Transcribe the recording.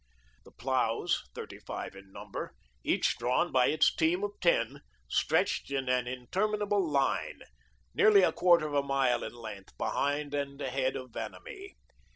The ploughs, thirty five in number, each drawn by its team of ten, stretched in an interminable line, nearly a quarter of a mile in length, behind and ahead of Vanamee.